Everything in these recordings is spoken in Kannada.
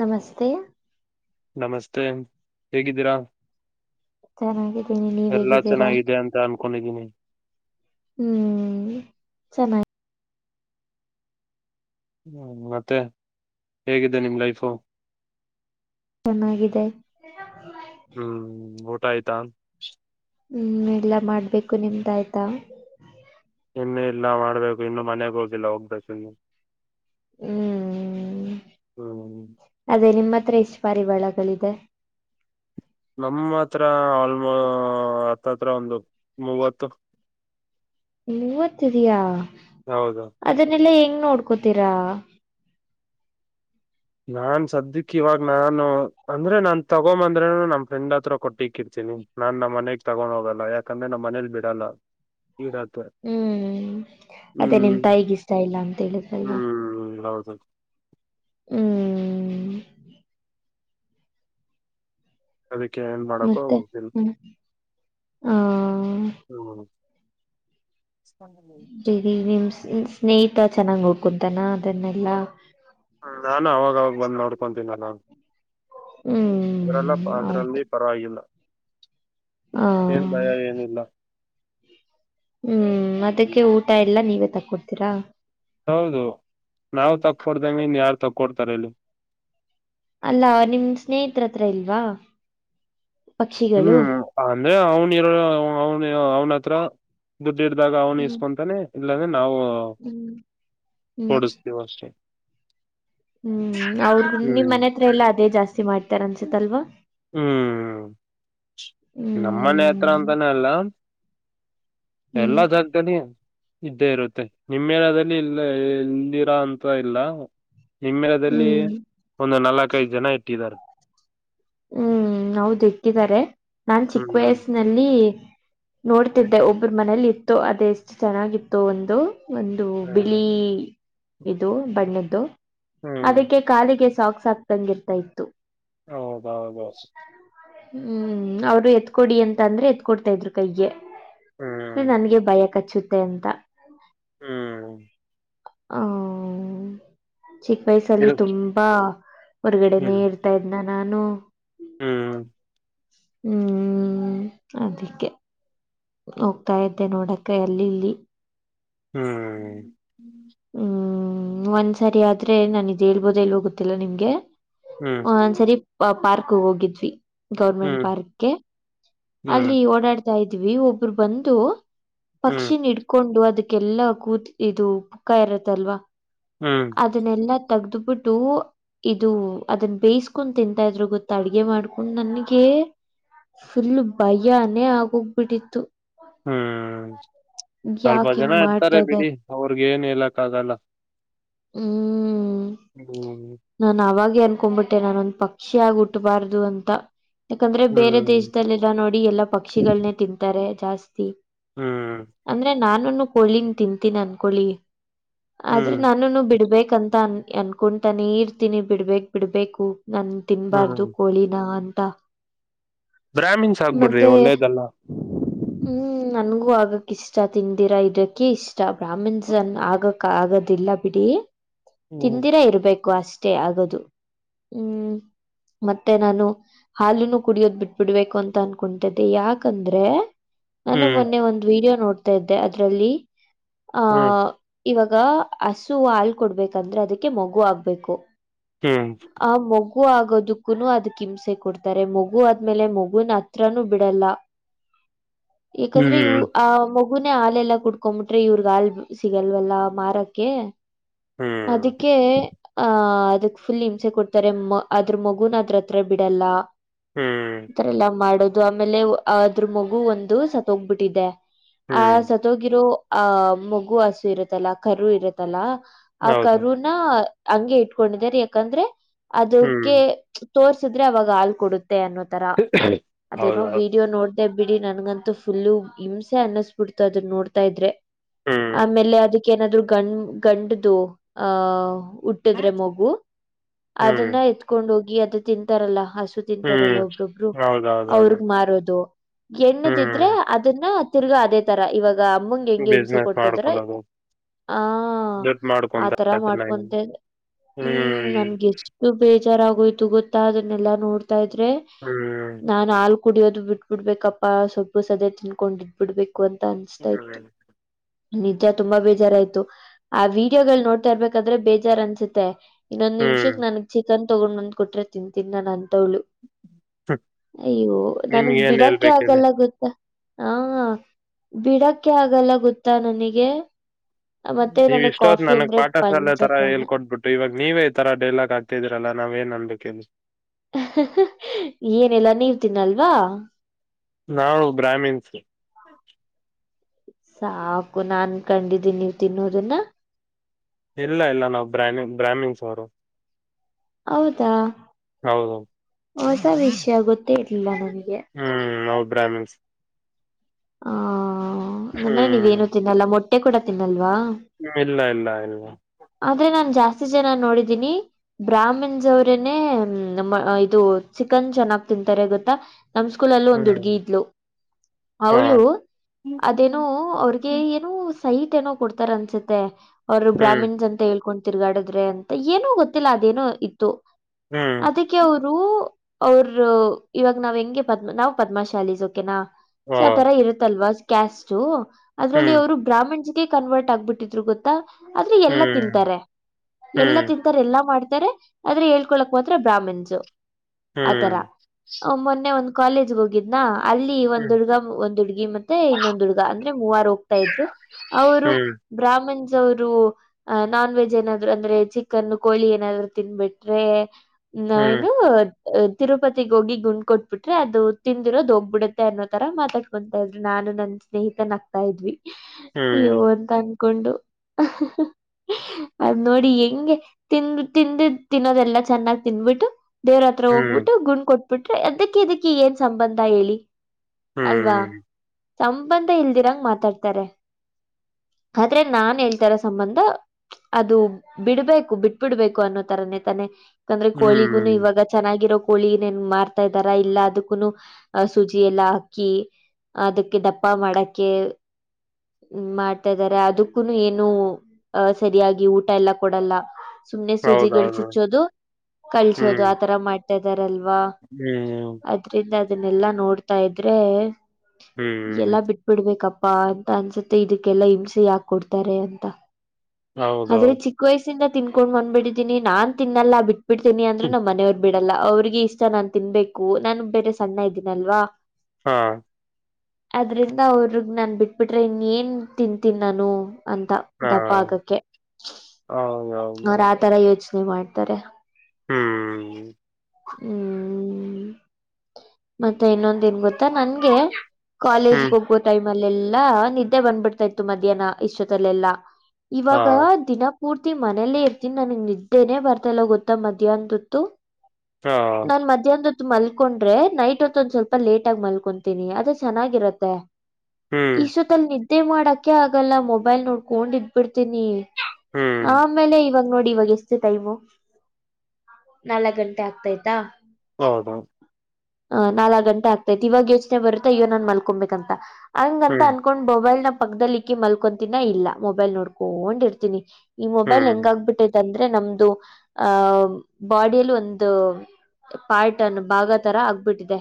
ನಮಸ್ತೆ. ನಮಸ್ತೆ ಹೇಗಿದ್ದೀರಾ. ಚೆನ್ನಾಗಿದ್ದೀನಿ ನೀವ ಎಲ್ಲಾ ಹೇಗಿದ್ದೀರಾ. ಚೆನ್ನಾಗಿದೆ ಅಂತ ಅನ್ಕೊಂಡಿದೀನಿ ಹ್ಮ್ ಚೆನ್ನ ಹ್ಮ್ ಮತ್ತೆ ಹೇಗಿದೆ ನಿಮ್ ಲೈಫು. ಚೆನ್ನಾಗಿದೆ. ಹ್ಮ್ ಊಟ ಆಯ್ತಾ. ಹ್ಮ ಇಲ್ಲಾ ಮಾಡ್ಬೇಕು ನಿಮ್ದಾಯ್ತಾ. ಇನ್ನು ಇಲ್ಲ ಮಾಡ್ಬೇಕು ಇನ್ನು ಮನೆಗ್ ಹೋಗಿಲ್ಲ ಹೋಗ್ಬೆಕಿನ್ನು. ಹ್ಮ್ ಹ್ಮ್ ಅದೇ ನಿಮ್ಮತ್ತ ಮಾತ್ರ ಎಷ್ಟು ಪರಿವಾಳಗಳಿದೆ. ನಮ್ಮ ಹತ್ರ ಆಲ್ಮೋ ಹತ್ತತ್ರ ಒಂದು ಮೂವತ್ತು. ಮೂವತ್ ಇದಿಯಾ ಹೌದು ಅದನ್ನೆಲ್ಲಾ ಹೆಂಗ್ ನೋಡ್ಕೋತೀರಾ. ನಾನ್ ಸದ್ಯಕ್ ಇವಾಗ ನಾನು ಅಂದ್ರೆ ನಾನ್ ತಗೊಂಬಂದ್ರನು ನಮ ಫ್ರೆಂಡ್ ಹತ್ರ ಕೊಟ್ಟಿಕ್ಕಿರ್ತೀನಿ. ನಾನ್ ನಮ್ಮ್ನೆಗ್ ತಗೊಂಡ್ ಹೋಗಲ್ಲ ಯಾಕಂದ್ರೆ ನಮ್ಮ ಮನೇಲಿ ಬಿಡಲ್ಲ. ಈಗತ್ವಾ ಹ್ಮ್ ಅದೇ ನಿಮ್ ಹ್ಮ್ ತಾಯಿಗ ಇಷ್ಟ ಇಲ್ಲ ಅಂತ ಹೇಳಿದ್ರಲ್ವಾ ಹ್ಮ್ ಹೌದು. [unintelligible] ಹ್ಮ್ ಅದಕ್ಕೆ ಏನ್ ಮಾಡಕ್ಕೋ ಮತ್ತೆ ಹೋಗ್ತಿಲ್ಲ ಹ ಹ. ಹ್ಮ್ ಹ್ಮ್ ಬಿಡಿ ನಿಮ್ ನಿಮ್ ಸ್ನೇಹಿತ ಚೆನ್ನಾಗಿ ಹೋಗ್ಕಂತಾನ ಅದನ್ನೆಲ್ಲಾ. ಹ ನಾನು ಅವಾಗ ಅವಾಗ ಬಂದ್ ನೋಡ್ಕೊತೀನ. ಅದ್ರಲ್ಲ ಹ್ಮ್ ಹೌದು ಅದ್ರಲ್ಲಿ ಪರವಾಗಿಲ್ಲ. ಏನ್ ಭಯ ಹ ಏನು ಇಲ್ಲ. ಹ್ಮ್ ಅದಕ್ಕೆ ಊಟ ಎಲ್ಲಾ ನೀವೇ ತಕ್ಕೊಡ್ತೀರಾ. ಹೌದು ನಾವ್ ತಕ್ಕೊಡ್ದಂಗ ಇನ್ ಯಾರ್ ತಕ್ಕೊಡ್ತಾರೆಲಿ. ಅಲ್ಲಾ ನಿಮ್ ಸ್ನೇಹತ್ರರತ್ರ ಇಲ್ವಾ. ಪಕ್ಷಿಗಳು ಹ್ಮ್ ಅಂದ್ರೆ ಅವನ ಇರ ಅವನ ಅವನತ್ರ ದುಡ್ ರ್್ದಾಗ ಅವನು ಹ್ಮ್ ಇಸ್ಕೊಂತಾನೆ ಇಲ್ಲಂದೆ ನಾವು ಹ್ಮ್ ಹ್ಮ್ ಓಡಿಸ್ತೀವ ಅಷ್ಟೆ. ಹ್ಮ್ ಅವ್ರಗ ಹ್ಮ್ ನಿಮ್ ಮನೆ ಹತ್ರ ಎಲ್ಲಾ ಅದೇ ಜಾಸ್ತಿ ಮಾಡ್ತ ತರಂಸ ತಲ್ವಾ ನಮ್ಮನೆೇ ಹತ್ರ ಅಂತಾನ ಅಲ್ಲ ಪಲ್ಲ ಹ್ಮ್ ಜಾಗದ ನೀ ಇದ್ದೇ ಇರುತ್ತೆ ನಿಮ್ಮೆಲ್ಲದಲ್ಲಿ ಇಲ್ಲ ಇಲ್ಲಿಿರಾ ಅಂತ ಇಲ್ಲ ಹಿಮೆಲದಲ್ಲಿ ಹ್ಮ್ ಒಂದು ನಾಲ್ಕ ಐದು ಜನ ಇಟ್ಟಿದ್ದಾರೆ ಹ್ಮ್ ಹೌದು್ ಇಕ್ಕಿದ್ದಾರೆ ನಾನ್ ಚಿಕ್ಕ ಹ್ಮ್ ವಯಸ್ಸಿನಲ್ಲಿ ನೋಡ್ತಿದ್ದೆ ಒಬ್ಬರ ಮನೇಲಿ ಇತ್ತು ಅದ ಎಷ್ಟು ಚೆನ್ನಾಗಿತ್ತು ಒಂದು ಒಂದು ಹ್ಮ್ ಬಿಳಿ ಇದು ಬಣ್ಣದ್ದು ಹ್ಮ್ ಅದಕ್ಕೆ ಕಾಲಿಗೆ ಸಾಕು ಸಕ್ತಂಗ ಇರ್ತಾ ಇತ್ತು ಓ ಬಾ ಬ ಹ್ಮ್ ಅವರು ಎತ್ಕೊಡಿ ಅಂತ ಅಂದ್ರೆ ಎತ್ಕ ಕೊಡ್ತಾ ಇದ್ರು ಕೈಗೆ ಅ ಹ್ಮ್ ನನ್ಗೆ ಭಯ ಕಚ್ಚುತ್ತೆ ಅಂತ ಹ್ಮ್ ಹ ಚಿಕ್ಕ ವಯಸ್ಸಲ್ಲಿ ಇದು ತುಂಬಾ ಹೊರಗಡೆನೆೇ ಇರ್ತಾ ಇದನ ನಾನು ಹ್ಮ್ ಹ್ಮ್ ಅದಕ್ಕೆ ಹೋಗ್ತಾ ಇದ್ದೆ ನೋಡಕ ಎಲ್ಲಿಲ್ಲಿ ಹ್ಮ್ ಹ್ಮ್ ಒಂದ್ಸರಿ ಆದ್ರೆ ನಾನ ಇದ್ ಹೇಳ್ಬೋದ ಎಲ್ಲಿ ಹೋಗುತ್ತಿಲ್ಲಾ ನಿಮ್ಗೆ ಹ್ಮ್ ಹ್ಮ್ ಹ್ ಸರಿ ಪಾರ್ಕ್ ಹೋಗಿದ್ವಿ ಗೌರ್ಮೆಂಟ್ ಹ್ಮ್ ಪಾರ್ಕ್ಗೆ ಹ್ಮ್ ಅಲ್ಲಿ ಓಡಾಡ್ತಾ ಇದ್ವಿ ಒಬ್ಬರು ಬಂದು ಹ್ಮ್ ಪಕ್ಷಿ ಇಡ್ಕೊಂಡು ಅದಕ್ಕೆಲ್ಲ ಕೂತ್ ಇದು ಪುಕ್ಕ ಇರತ್ತಲ್ವಾ ಹ್ಮ್ ಅದನ್ನೆಲ್ಲಾ ತಗ್ದಬಿಟ್ಟು ಇದು ಅದನ್ನ ಬೇಯಿಸಸ್ಕೊಂಡ್ ತಿಂತಾ ಇದ್ರು ಗೊತ್ತ ಅಡ್ಗೆ ಮಾಡ್ಕೊಂಡ್ ನನ್ಗೆ ಫುಲ್ ಭಯಾನೇ ಆಗೋಗ್ಬಿಟ್ಟಿತ್ತು ಹ್ಮ್ ಸ್ವಲ್ಪ ಯಾಕೆ ಜನ ಹಿಂಗ್ ಮಾಡ್ತಾ ಇರ್ತಾರೆ ಬಿಡಿ ಇದ್ದಾರೆ ಅವ್ರಗ ಏನ್ ಇಲ್ಲ ಕ್ಕಾಗಲ್ಲ ಹ್ಮ ಹ್ಮ್ ಅನ್ಕೊ್ಬಿಟ್ಟೆ ನಾನೊಂದ್ ಪಕ್ಷಿಿಯಗ ಉಟ್ಬಾರ್ದು ಅಂತ ಯಾಕಂದ್ರೆ ಬೇರೆ ಹ್ಮ್ ದೇಶದಲ್ಲಿರ ನೋಡಿ ಎಲ್ಲಾ ಪಕ್ಷಿಗಳನೆೇ ತಿಂತಾರೆ ಜಾಸ್ತಿ ಹ್ಮ್ ಅಂದ್ರೆ ನಾನುನು ಕಳನ್ ತಿಂತೀನಿ ಅನ್ಕಳಿ ಆದ್ರೆ ಹ್ಮ್ ನಾನುನು ಬಿಡ್ಬೇಕ ಂತ ಅನ್ಕೊಂತಾನೆ ಇರ್ತೀನಿ ಬಿಡ್ಬೇಕ ಬಿಡ್ಬೇಕು ನನ್ ಹ್ಮ್ ತಿನ್ಬಾರ್ದು ಕೋಳಿನ ಅಂತ ಬ್ರಾಮಿನ್ಸ್ ಆಗ್ಬಿಡ್ರಿ ಮತ್ತೆ ಒಳ್ಳೇದಲ್ಲಾ ಹ್ಮ್ ನನ್ಗೂ ಆಗಕ್ ಇಷ್ಟ ತಿಂದಿರಾ ಇದಕ ಇಷ್ಟ ಬ್ರಾಹ್ಮಿಣಸ್ನ್ ಆಗಕ್ ಆ ಆಗದಿಲ್ಲ ಬಿಡಿ ಹ್ಮ್ ತಿಂದಿರ ಇರ್ಬೇಕು ಅಷ್ಟೇ ಆಗದು ಹ್ಮ್ ಮತ್ತೆ ನಾನು ಹಲುನು ಕುಡಿಯೋದ್ ಬಿಟ್ಬಿಡ್ಬೇಕು ಅಂತ ಅನ್ಕೊಂತ್ದೆ ಯಾಕಂದ್ರೆ ನಾನು ಹ್ಮ್ ಮೊನ್ನೆ ಒಂದ್ ವೀಡಿಯೋ ನೋಡ್ತಾ ಇದ್ದೆ ಅದ್ರಲ್ಲಿ ಹ್ಮ್ ಆಹ ಇವಾಗ ಹಸು ಹಾಲ್ ಕೊಡ್ಬೇಕಂದ್ರೆ ಅದಕ್ಕೆ ಮಗು ಆಗ್ಬೇಕು ಹ್ಮ ಆ ಮಗು ಆಗೋದಕ್ಕೂನು ಅದ್ ಹಿಂಸೆ ಕೊಡ್ತಾರೆ ಮಗು ಆದ್ಮೇಲೆ ಮಗುನ್ ಹತ್ರನುೂ ಬಿಡಲ್ಲ [inaudible] ಯಾಕಂದ್ರೆ ಇವು ಹ್ಮ್ ಆ ಹಗುನ ಹಾಲೆಲ್ಲಾ ಕುಡ್ಕೊಬಿಟ್ರೆ ಇವ್ರಗ್ ಆಾ ಸಿಗಲ್ವಲ್ಲ ಮಾರಕ್ಕೆ ಹ್ಮ್ ಅದಕ್ಕೆ ಆಹ ಅದಕ್ ಫುಲ್ ಹಿಂಸೆ ಕೊಡ್ತಾರೆ ಅದ್ರ ಮಗುನ್ ಅದ್ರ ಹತ್ರ ಬಿಡಲ್ಲ ಹ್ಮ್ ಈಥರ ಎಲ್ಲ ಮಾಡೋದು ಆಮೇಲೆ ಅದ್ರ ಮಗು ಒಂದು ಸತ್ ಹೋಗ್ಬಿಟ್ಟಿದೆ ಆ ಹ್ಮ್ ಸತ್ತೋಗಿರೋ ಆಹ ಮಗು ಹಸು ಇರತ್ತಲ್ಲಾ ಕರು ಇರತ್ತಲ್ಲ ಆ ಹೌದು ಕರುನ ಹಂಗೆ ಇಟ್ಕೊಂಡಿದಿದ್ದಾರೆ ಯಾಕಂದ್ರೆ ಹ್ಮ್ ಅದಕ್ಕೆ ತೋರ್ಸಿದ್ರೆ ಅವಾಗ ಹಾಲು ಕೊಡುತ್ತೆ ಅನ್ನೋತರ ಅದೇನೋ ಹೌದೌದು ವಿಡಿಯೋ ನೋಡ್ದೇ ಬಿಡಿ ನನ್ಗಂತ ಫುಲ್ಲು ಹಿಂಸೆ ಅನ್ನಸ್ಬಿಡ್ತು ಅದನ್ನ ನೋಡ್ತಾ ಇದ್ರೆ ಹ್ಮ್ ಆಮೇಲೆ ಅದಕ್ಕೆ ಏನಾದ್ರು ಗಂಡ ಗಂಡ್ದ ಆಹ ಹಟ್ಟಿದ್ರೆ ಮಗು ಹ್ಮ್ ಅದನ್ನ ಎತ್ಕೊಂಡ್ ಹೋಗಿ ಅದು ತಿಂತಾರಲ್ಲ ಅಷ್ಟ ಹ್ಮ್ ತಿಂತಾರಲ್ಲ ಒಬ್ರೊಬ್ರು ಹೌದೌದೌದು ಅವ್ರಗ್ ಮಾರೋದು ಹ್ಮ್ ಎಣ್ಣದಿದ್ರೆ ಅದನ್ನ ತಿರ್ಗಾ ಅದೇ ತರ ಇವಾಗ ಅಮ್ಮಂಗ ಹೆಂಗೆ ಹಿಂಸೆ ಬಿಸ್ನೆಸ್ ಕೊಡ್ತಾ ಇದಿದಾರ ಮಾಡ್ಕೊಳ್ಳೋದು ಹ ದುಡ್ಡು ಮಾಡ್ಕೊಂತ ಆತರ ಚೆನ್ನಾಗಿ ಮಾಡ್ಕೊಂತೇ ಹ್ಮ್ ನನ್ಗೆ ಎಷ್ಟು ಬೇಜಾರಾಗೋಯ್ತು ಗೊತ್ತಾ ಅದನ್ನೆಲ್ಲಾ ನೋಡ್ತಾ ಇದ್ರೆ ಹ್ಮ್ ನಾನ್ ಆಲ್ ಕುಡಿಯೋದು ಬಿಟ್ಬಿಡ್ಬೇಕಪ್ಪಾ ಸ್ವಲ್ಪ ಪ್ಪು ಸದೆ ತಿಂದಕೊಂಡಿದ್ದ್ಬಿಡ್ಬೇಕು ಅಂತ ಅನಿಸ್ತಾ ಇತ್ತು ಹ್ಮ್ ನಿಜ ತುಂಬಾ ಬೇಜಾರಾಯ್ತು ಆ ವಿಡಿಯೋಗಳು ನೋಡ್ತಾ ಇರ್ಬೇಕಾದ್ರೆ ಬೇಜಾರ್ ಅನ್ಸುತ್ತೆ ಇನ್ನೊಂದ್ ಹ್ಮ್ ನಿಮಿಷಕ್ ನನ್ಗ್ ಚಿಕನ್ ತೊಗೊಂಡ್ಂದ್ ಕೊಟ್ರೆ ತಿಂತೀನಿ ನನ್ ಅಂತವ್ಳು ಅಯ್ಯೋ ನನ್ಗ್ ನಿಮ್ಗೆ ಏನ್ ಬಿಡಕ್ಕೆ ಹೇಳ್ಬೇಕಿದೆ ಆಗಲ್ಲ ಗೊತ್ತ ಹಾ ಬಿಡಕ್ಕೆ ಆಗಲ್ಲ ಗೊತ್ತಾ ನನಗೆ ಮತ್ತೆ ನೀವ್ ನನಗ್ ಇಷ್ಟೋತ್ ಕಾಫಿ ನನ್ಗ್ ಅಂದ್ರೆ ಪಾಠಶಾಲೆ ತರ ಪಂಚಪ್ರಾಣ. ಹೇಳ್ಕೊಡ್ಬಿಟ್ಟು ಇವಾಗ ನೀವೇ ಈ ತರ ಡೈಲಾಗ್ ಆಗ್ತಿದ್ರಲ್ಲ ನಾವ್ ಏನ್ನ್ಬೇಕ [inaudible] ಏನೆಲ್ಲಾ ನೀವ ತಿನ್ನಲ್ವಾ ನಾವು ಬ್ರಾಮಿನ್ಸ ಸಾಕು ನಾನ್ ಕಂಡಿದ್ದೀನಿ ನೀವ ತಿನ್ನೋದನ್ನ ಇಲ್ಲ ಇಲ್ಲ ನಾವು ಬ್ರಿ ಬ್ರಾಮಿನ್ಸ್ ಅವರು ಹೌದಾ ಹೌದೌ ಹೊಸ ವಿಷಯ ಗೊತ್ತೇ ಇರ್ಲಿಲ್ಲ ನನಗೆ ಪ್ರ್ರಾಮಲ್ಸ್ ಹ ಅಂದ್ರೆ ಹ್ಮ್ ನೀವೇನು ತಿನ್ನಲ್ಲ ಮೊಟ್ಟೆ ಕೂಡ ತಿನ್ನಲ್ವಾ ಇಲ್ಲ ಇಲ್ಲ ಇಲ್ಲ ಅಷ್ಟು ಜನ ನೋಡಿದೀನಿ ಬ್ರಾಹ್ಮಿನ್ಸ್ ಅವರೇನೆ ಇದು ಚಿಕನ್ ಚೆನ್ನಾಗ್ತ ತಿಂತಾರೆ ಗೊತ್ತಾ ನಮ ಸ್ಕೂಲ್ ಅಲ್ಲೂ ಒಂದು ಹ್ಮ್ ಹುಡ್ಗಿ ಇದ್ಲು ಹಾ ಅವಳು ಅದೇನೋ ಅವ್ರಿಗೆ ಏನೋ ಸೈಟ್ ಏನೋ ಕೊಡ್ತಾರ ಅನ್ಸುತ್ತೆ ಅವರು ಹ್ಮ್ ಬ್ರಾಹ್ಮಿನ್ಸ್ ಅಂತ ಹೇಳ್ಕೊಂಡ್ ತಿರ್ಗಾಡಿದ್ರೆ ಅಂತ ಏನೋ ಗೊತ್ತಿಲ್ಲ ಅದೇನೋ ಇತ್ತು ಹ್ಮ್ ಅದಕ್ಕೆ ಅವರು ಅವರು ಇವಾಗ ನಾವ್ ಹೆಂಗೆ ಪದ್ಮ ನಾವ್ ಪದ್ಮಶಾಲೀಸ್ ಕೆನಾ ಸೊ ಆ ತರ ಇರುತ್ತಲ್ವಾ ಕ್ಯಾಸ್ಟ ಅದ್ರಲ್ಲಿ ಅವ್ರು ಬ್ರಾಹ್ಮಿಣ್ಸ್ಗೆ ಕನ್ವರ್ಟ್ ಆಗ್ಬಿಟ್ಟಿದ್ರು ಗೊತ್ತಾ ಆದ್ರೆ ಎಲ್ಲ ತಿಂತಾರೆ ಎಲ್ಲ ತಿಂತಾರೆ ಎಲ್ಲ ಮಾಡ್ ಆದ್ರೆ ಹೇಳ್ಕೊಳಕ್ ಮಾತ್ರ ಬ್ರಾಹ್ಮಿಣಸ ಆತರ ಮೊನ್ನೆ ಒಂದ ಕಾಲೇಜ್ ಹೋಗಿದ್ನಾ ಅಲ್ಲಿ ಹದುಡ್ಗ ಒಂದ್ ಹುಡ್ಗಿ ಮತ್ತೆ ಇನ್ನೊಂದು ಹುಡ್ಗ ಅಂದ್ರೆ ಮೂವಾರ ಹೋಗ್ತಾ ಇದ್ರು ಅವರು ಬ್ರಾಹ್ಮಣ ಅವರು ಅ ನಾನ್ ವೆಜ್ ಏನಾದ್ರು ಅಂದ್ರೆ ಚಿಕನ್ ಕೋಳಿ ಏನಾದ್ರು ತಿನ್ಬಿಟ್ರೆ ನ ಇನು ತಿರುಪತಿಗ್ ಹೋಗಿ ಗುಂಡ್ ಕೊಟ್ಬಿಟ್ರೆ ಅದು ತಿಂದಿರೋದು ಹೋಗ್ಬಿಡತ್ತೆ ಅನ್ನೋದು ತರ ಮಾತಾಡ್ಕೊತಾ ಇದ್ರಿ ನಾನು ನನ್ ಸ್ನೇಹಿತನ್ ಹಕ್ತಾ ಇದ್ವಿ ಇವು ಅಂತ ಕೊಂಡು ಅದ್ ನೋಡಿ ಹೆಂಗೆ ತಿಂದು ತಿಂದ ತಿನ್ನೋದೆಲ್ಲಾ ಚೆನ್ನಾಗ ತಿಂದಬಿಟ್ಟ ದೇವ್ರ ಹತ್ರ ಹೋಗ್ಬಿಟ್ಟು ಗುಂಡ್ ಕೊಟ್ಬಿಟ್ರೆ ಅದಕ್ಕ ಇದಕ್ಕ ಏನ್ ಸಂಬಂಧ ಹೇಳಿ ಅಲ್ವಾ ಸಂಬಂಧ ಇಲ್ದಿರಂಗ ಮಾತಾಡ್ತಾರೆ [inaudible] ಆದ್ರೆ ನಾನ್ ಹೇಳ್ತಾರ ಸಂಬಂಧ ಅದು ಬಿಡ್ಬೇಕು ಬಿಟ್ಬಿಡ್ಬೇಕು ಅನ್ನೋ ತರನೇ ತಾನೆ ಅಂದ್ರೆಳಿಗುನು ಇವಾಗ ಚೆನ್ನಾಗಿರೋ ಕೋಳಿನ್ ಮಾರ್ತಾ ಇದ್ದಾರ ಇಲ್ಲ ಅದಕ್ಕೂ ಅ ಸುಜಿ ಎಲ್ಲಾ [unintelligible] ಅಕ್ಕಿ ಅದಕ್ಕೆ ದಪ್ಪ ಮಾಡಕ್ಕೆ ಹ್ಮ ಮಾಡ್ತಾರೆ ಅದಕ್ಕೂ ಏನು ಅ ಸರಿಯಾಗಿ ಊಟ ಎಲ್ಲ ಕೊಡಲ್ಲ ಸುಮ್ನೆ ಹೌದು ಸೂಜಿಗಳು ಹೌದು ಚುಚ್ಚೋದು ಕಳ್ಸೋದು ಹ್ಮ್ ಆತರ ಮಾಡ್ತಾದ ಅಲ್ವಾ ಹ್ಮ್ ಅದ್ರಿಂದ ಅದನ್ನೆಲ್ಲಾ ನೋಡ್ತಾ ಇದ್ರೆ ಎಲ್ಲಾ ಹ್ಮ್ ಬಿಟ್ ಬಿಡ್ಬೇಕಪ್ಪ [unintelligible] ಪ್ಪಾ ಅಂತ ಅನ್ಸುತ್ತೆ ಇದಕ್ಕೆಲ್ಲಾ ಹಿಂಸೆ ಯಾಕ ಕೊಡ್ತಾರೆ ಅಂತ ಹೌದು ಆದ್ರೆ ಹೌದು ಚಿಕ್ಕ ವಯಸ್ಸ ಎಂದ ತಿನ್ಕೊಂಡು ಬಂದ್ಬಿದ್ದೀನಿ ನಾನ್ ತಿನ್ನಲ್ಲ ಬಿಟ್ಬಿಡ್ತಿನಿ ಅಂದ್ರು ನಮ್ಮ ಮನವ್ ಬಿಟ್ಟು [unintelligible] [unintelligible] ಲ್ಲ ಅವ್ರಿಗೆ ಇಷ್ಟ ನಾನ್ ತಿನ್ಬೇಕು ನಾನು ಬೇರೆ ಸಣ್ಣ ಇದ್ದೀನಲ್ವಾ ಹಾ ಅದ್ರಿಂದ ಅವ್ರಗ್ ನಾನ್ ಬಿಟ್ಬಿಟ್ರೆ ಇನ್ ಏನ್ ತಿಂತೀನ್ ನಾನು ಅಂತ ಹಾ ದಪ್ಪ ಆಗಕ್ಕೆ ಹೌದು ಹೌದು ಅವ್ರ ಆತರ ಯೋಚನೆ ಮಾಡ್ತಾರೆ ಹ್ಮ್ ಹ್ಮ್ ಮತ್ತೆ ಇನ್ನೊಂದನ್ ಮತ್ತ ನನ್ಗೆ ಕಾಲೇಜ್ ಹ್ಮ್ ಹೋಗ್ಬೋತ ಇ [unintelligible] [unintelligible] ಲೆೆಲ್ಲಾ ನಿದ್ದೆ ಬಂದ್ಬಿಡ್ತಾ ಇತ್ತು ಮಧ್ಯಾಹ್ನ ಇಷ್ಟೊತ್ತಲೆೆಲ್ಲಾ ಹಾ ಇವಾಗ ದಿನ ಪೂರ್ತಿ ಮನೇಲ್ಲೇ ಇರ್ತೀನಿ ನನಗ್ ನಿದ್ದೆನನೆ ಬರ್ತಲ್ಲ ಗೊತ್ತಾ ಮದ್ಯಾನೋದೊತು ಹಾ ನಾನ್ ಮಧ್ಯಾಹ್ನತ್ ಮಲ್ಕೊಂಡ್ರೆ ನೈಟ್ ಹೊತ್ ಒಂದ್ ಸ್ವಲ್ಪ ಲೇಟ್ [unintelligible] ಮಲ್ಕೊತನಿ ಅದು ಚೆನ್ನಾಗಿರತ್ತೆ ಹ್ಮ್ ಇಷ್ಟತ್ತಲ್ಲಿ [unintelligible] ಮಾಡಕ ಆಗಲ್ಲ ಮೊಬೈಲ್ ನೋಡ್ಕೊಂಡ್ ಇದ್ಬಿಡ್ತೀನಿ ಹ್ಮ್ ಆಮೇಲೆ ಇವಾಗ ನೋಡಿ [unintelligible] ನಡಿ ಇವಾಗ ಎಷ್ಟು ಟೈಮು ನಾಲ್ಕ್ ಗಂಟೆ ಆಗ್ತಾಯಯ್ತಾ ಹೌದ ನಲ್ಕಕ್ ಗಂಟೆ ಆಗ್ತೈತೆತ್ ಇವಾಗ ಯೋಚನೆ ಬರುತ್ತೆ ಅಯ್ಯ ನಾನ್ ಮಲ್ಕೊಬೇಕಂತ ಹಂಗಂತ ಹ್ಮ್ ಅನ್ಕೊಂಡ್ ಮೊಬೈಲ್ ನ ಪಕ್ಕದದಲ್ಲಿ ಇಕ್ಕಿ ಮಲ್ಕೊತೀನ ಇಲ್ಲ ಮೊಬೈಲ್ ನೋಡ್ಕೊಂಡ ಇರ್ತೀನಿ ಈ ಮೊಬೈಲ್ ಹ್ಮ್ ಹೆಂಗ ಆಗ್ಬಿಟ್ಟೈದೆ ಅಂದ್ರೆ ನಮ್ದು ಆಹ್ ಬಾಡಿಯಲ್ಲಿ ಒಂದು ಪಾರ್ಟ್ ಅನ್ ಭಾಗ ತರ ಆಗ್ಬಿಟ್ಟಿದೆ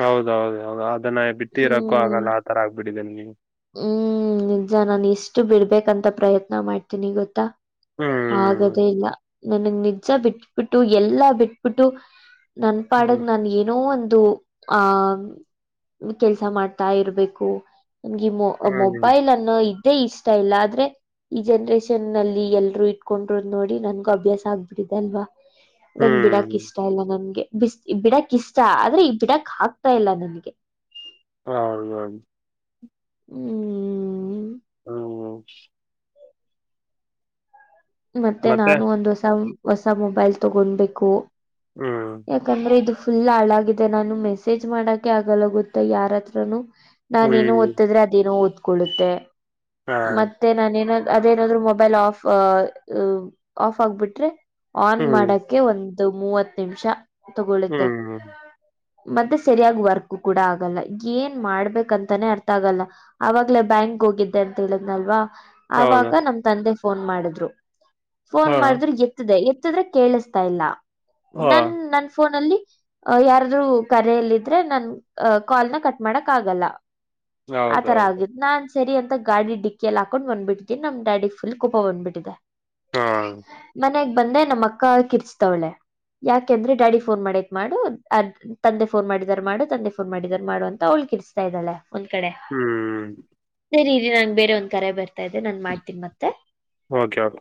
ಹೌದೌದು ಹೌದು ಅದನ್ನ ಬಿಟ್ಟಿರಕ್ಕೋ ಹ್ಮ್ ಆಗಲ್ಲ ಆ ತರ ಆಗ್ಬಿಡಿದೆ ನಿಗೆ ಹ್ಮ್ ನಿಜ ನಾನು ಎಷ್ಟು ಬಿಡ್ಬೇಕಂತ ಪ್ರಯತ್ನ ಮಾಡ್ತೀನಿ ಗೊತ್ತಾ ಹ್ಮ್ ಆಗದೇ ಇಲ್ಲ ನನಗ್ ನಿಜ ಬಿಟ್ಬಿಟ್ಟು ಎಲ್ಲಾ ಬಿಟ್ಬಿಟ್ಟು ನನ್ ಹ್ಮ್ ಪಾಡಗ್ ನನ್ ಏನೋ ಅಂತ [unintelligible] ದು ಆಹ ಕೆಲ್ಸ ಮಾಡ್ತಾ ಇರ್ಬೇಕು ನಮ್ಗೆ ಮೊ ಹ್ಮ್ ಮೊಬೈಲ್ ಅನ್ನೋ ಇದ್ದೇ ಇಷ್ಟ ಇಲ್ಲ ಆದ್ರೆ ಈ ಜನ್ರೇಷನ್ ಅಲ್ಲಿ ಎಲ್ರು ಇಟ್ಕೊಂಡ್ರರುದ್ ನೋಡಿ ನನ್ಗು ಅಭ್ಯಾಸ ಆಗ್ಬಿಟ್ಟಿದೆ ಅಲ್ವಾ ನನ್ ಬಿಡಕ್ ಹ್ಮ್ ಇಷ್ಟ ಇಲ್ಲ ನನ್ಗೆ ಬಿಸ ಈ ಬಿಡಾಕ್ ಇಷ್ಟ ಆದ್ರೆ ಈ ಬಿಡಕ್ ಹಗ್ತಾ ಇಲ್ಲ ನನ್ಗೆ ಹೌದು ಹ್ಮ್ ಹ್ಮ ಮತ್ತೆ ನಾನು ಒಂದ್ ಹೊಸ ಹೊಸ ಮೊಬೈಲ್ ತಗೊಬೇಕು ಹ್ಮ್ ಯಾಕಂದ್ರೆ ಇದು ಫುಲ್ ಹಾಳಾಗಿದೆ ನಾನು ಮೆಸೇಜ್ ಮಾಡೋಕ್ಕೆ ಆಗಲ್ಲ ಗೊತ್ತ ಯಾರತ್ರನು ನಾನೇನೊ ಹ್ಮ್ ಓದ್ತಿದ್ರೆ ಅದೇನೋ ಓದ್ಕೊಳ್ಳುತ್ತೆ ಹಾ ಮತ್ತೆ ನಾನೇನೋ ಅದೇನಾದ್ರು ಮೊಬೈಲ್ ಆಫ್ ಆಫ್ ಆಗ್ಬಿಟ್ರೆ ಆನ್ ಹ್ಮ್ ಮಾಡಕ ಒಂದ [unintelligible] ದು ಮೂವತ್ತು ನಿಮಿಷ ತಗೊಳುತ್ತೆ ಹ್ಮ್ ಹ್ಮ ಮತ್ತೆ ಸರಿಯಾಗಿ ವರ್ಕ್ ಕೂಡ ಆಗಲ್ಲ ಏನ್ ಮಾಡ್ಬೇಕಂತಾನೇ ಅರ್ಥ ಆಗಲ್ಲ ಆವಾಗ್ಲ ಬ್ಯಾಂಕ್ ಹೋಗಿದ್ದೆ ಅಂತ ಹೇಳಿದ್ನಲ್ವಾ ಹೌದು ಆವಾಗ ನಮ್ ತಂದೆ ಫೋನ್ ಮಾಡಿದ್ರು ಫೋನ್ ಹಾ ಮಾಡಿದ್ರರು ಎತ್ತದೆ ಎತ್ತಿದ್ರೆ ಕೇಳಿಸ್ತಾ ಇಲ್ಲ ಹಾ ನನ್ ನನ್ ಫೋನಲ್ಲಿ ಅ ಯಾರೂ ಕರೆಯಲ್ಲ ಇದ್ರೆ ನನ್ ಅ ಕಾಲ್ನ ಕಟ್ ಮಾಡಕ್ ಆಗಲ್ಲ ಆ ತರ ಹೌದೌದು ಆಗಿದ್ದ ನಾನ್ [unintelligible] ಸರಿ ಅಂತ ಗಾಡಿ ಡಿಕ್ಕಿಯಲ್ಲಿಾಕೊಂಡು ಬಂದ್ಬಿಟ್ಟಿದೆವಿ ನಮ ಡಡಿ ಫುಲ್ ಕೋಪ ಬಂದ್ಬಟ್ಟಿದೆ ಹಾ ಬಂದೆ ನಮ್ಮ ಅಕ್ಕ ಕಿರ್ಸ್ತವಳೆ ಯಾಕೆಂದ್ರೆ ಡ್ಯಾಡಿ ಫೋನ್ ಮಾಡೇತ್ ಮಾಡು ಅ ತಂದೆ ಫೋನ್ ಮಾಡಿದಾರ ಮಾಡು ತಂದೆ ಫೋನ್ ಮಾಡಿದಾರ ಮಾಡು ಅಂತ ಅವ ಕಿಸಸ್ತಾ ಇದ್ದಲ್ಲ ಒಂದ್ ಕಡೆ ಹ್ಮ್ ಸರಿ ನಂ ಬೇರೆ ಒಂದ್ ಕರೆ ಬರ್ತಿ ದೆ ನನ್ ಮಾಡ್ತೀನಿ ಮತ್ತೆ ಓಕೆ ಓಕೆ